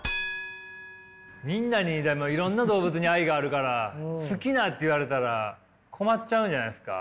みんなにでもいろんな動物に愛があるから好きなって言われたら困っちゃうんじゃないですか？